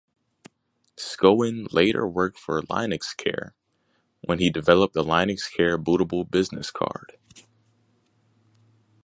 Schoen later worked for Linuxcare, where he developed the Linuxcare Bootable Business Card.